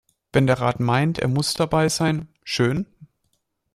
Wenn der Rat meint, er muss dabei sein, schön.